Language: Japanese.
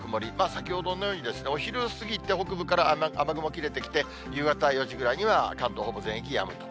先ほどのように、お昼過ぎて北部から雨雲切れてきて、夕方４時ぐらいには関東、ほぼ全域やむ。